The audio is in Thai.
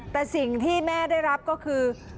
แต่สิ่งที่แม่ได้รับก็คือ